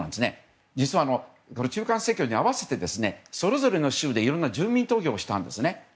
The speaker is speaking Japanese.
実は中間選挙に合わせてそれぞれの州でいろんな住民投票をしたんです。